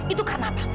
itu karena apa